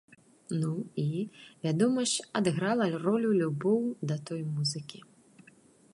Ну, і, вядома ж, адыграла ролю любоў да такой музыкі.